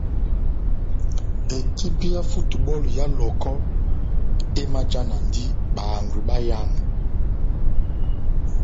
Ekipi yá futubɔlu ya Lɔhɔkɔ emajanadi bahangwi bayamu.